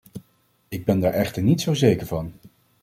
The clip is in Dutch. Ik ben daar echter niet zo zeker van.